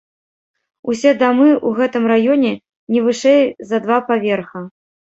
Усе дамы ў гэтым раёне не вышэй за два паверха.